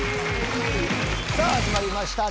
さぁ始まりました